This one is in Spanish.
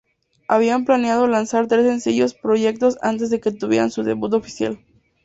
Habían planeado lanzar tres sencillos proyectos antes de que tuvieran su debut oficial.